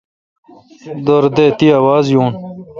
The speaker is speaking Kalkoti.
دور دا تی آواز یون۔